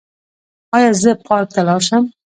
ایا زه پارک ته لاړ شم؟